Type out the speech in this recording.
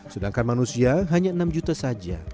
sedangkan manusia hanya enam juta saja